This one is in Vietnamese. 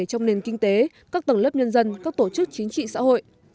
trong nền kinh tế các tầng lớp nhân dân các tổ chức chính trị xã hội